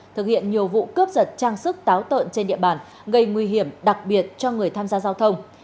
thực hiện nhiều vụ cướp giật trang sức táo tợn trên địa bàn gây nguy hiểm đặc biệt cho người tham gia giao thông